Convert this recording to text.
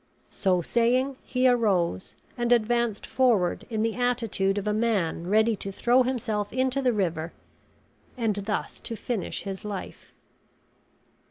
So saying, he arose and advanced forward in the attitude of a man ready to throw himself into the river, and thus to finish his life.